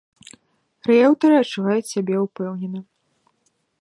Рыэлтары адчуваюць сябе ўпэўнена.